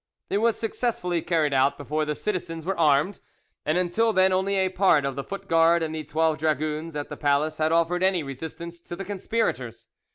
It was successfully carried out before the citizens were armed, and until then only a part of the foot guard and the twelve dragoons at the palace had offered any resistance to the conspirators.